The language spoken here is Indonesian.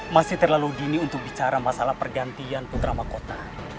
masih terlalu dini untuk bicara masalah pergantian putra mahkota